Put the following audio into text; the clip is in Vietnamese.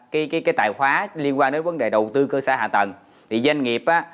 cái cái cái tài khoá liên quan đến vấn đề đầu tư cơ sở hạ tầng thì doanh nghiệp